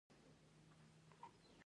هغه په ساده ژبه ژور مفاهیم وړاندې کوي.